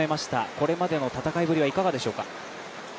これまでの戦いぶりはいかがでしょうか？